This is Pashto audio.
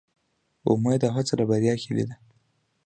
امید او هڅه د بریا کیلي ده